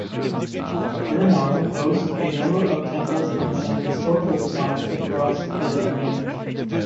Girnar hosts a number of temples and some historical spots across its range.